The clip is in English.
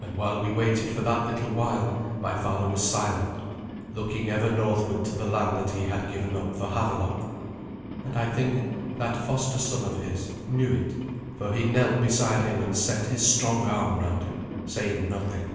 And while we waited for that little while my father was silent, looking ever northward to the land that he had given up for Havelok; and I think that foster son of his knew it, for he knelt beside him and set his strong arm round him, saying nothing.